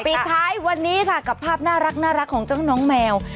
ปิดท้ายวันนี้ค่ะกับภาพน่ารักของเจ้าน้องแมว